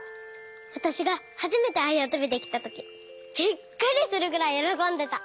わたしがはじめてあやとびできたときびっくりするぐらいよろこんでた。